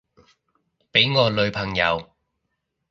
畀我女朋友